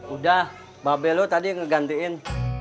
udah babe lo tadi yang ngegantiin